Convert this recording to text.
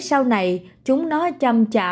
sau này chúng nó chăm chả